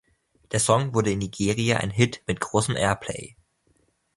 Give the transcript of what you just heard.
Der Song wurde in Nigeria ein Hit mit großem Airplay.